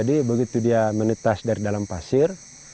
begitu dia menetas dari dalam pasir